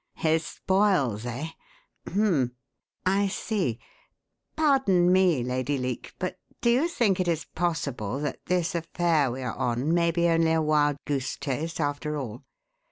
"His spoils, eh? H'm! I see! Pardon me, Lady Leake, but do you think it is possible that this affair we are on may be only a wild goose chase after all?